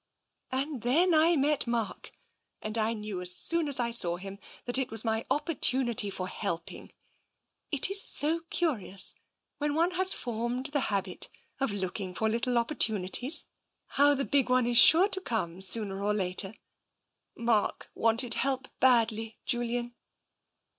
" And then I met Mark. And I knew as soon as I saw him that it was my opportunity for helping. It is so curious, when one has formed the habit of looking for little opportunities, how the big one is sure to come sooner or later. Mark wanted help badly, Julian.'